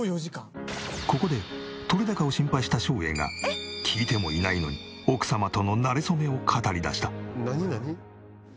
ここで撮れ高を心配した照英が聞いてもいないのに奥様とのなれ初めを語り出した。